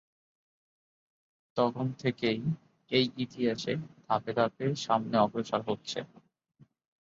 তখন থেকেই এই ইতিহাস ধাপে ধাপে সামনে অগ্রসর হচ্ছে।